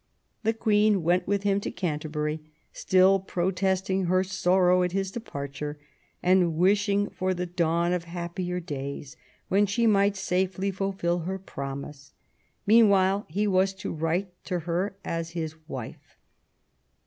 The Queen went with him to Canterbury, still protesting her sorrow at his departure, and wishing for the dawn of happier days when she might safely fulfil her promise : meanwhile he was to write to her as his wife.